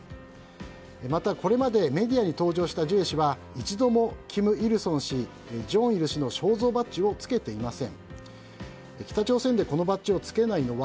またこれまでメディアにに登場したジュエ氏は一度も金日成氏らの肖像バッジをつけていません。